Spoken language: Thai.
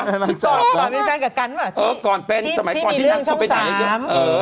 ก่อนเป็นแฟนกับกันว่ะที่มีเรื่องช่องสาม